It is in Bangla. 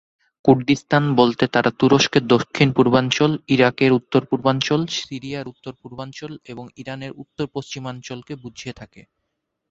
কুর্দিস্তান বলতে তারা তুরস্কের দক্ষিণ-পূর্বাঞ্চল, ইরাকের উত্তর-পূর্বাঞ্চল, সিরিয়ার উত্তর-পূর্বাঞ্চল এবং ইরানের উত্তর-পশ্চিমাঞ্চলকে বুঝিয়ে থাকে।